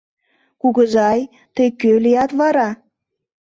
Кугызай, тый кӧ лият вара?